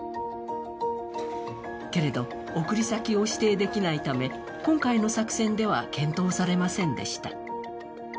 けれど、送り先を指定できないため今回の作戦では検討されませんでした。